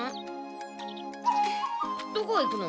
どこ行くの？